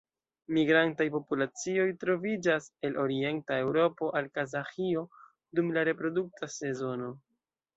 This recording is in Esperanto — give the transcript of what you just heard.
Migrantaj populacioj troviĝas el Orienta Eŭropo al Kazaĥio dum la reprodukta sezono.